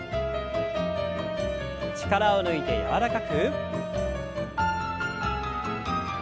力を抜いて柔らかく。